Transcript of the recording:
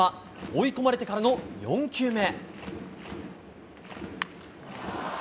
追い込まれてからの４球目。